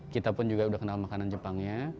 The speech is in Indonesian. kita pun juga udah kenal makanan jepangnya